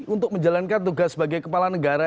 untuk menjalankan tugas sebagai kepala negara